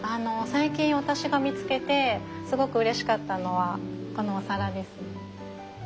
最近私が見つけてすごくうれしかったのはこのお皿です。